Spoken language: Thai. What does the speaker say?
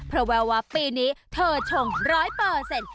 เพราะแววว่าปีนี้เธอชงร้อยเปอร์เซ็นต์